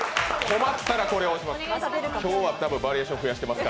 困ったらこれを押します。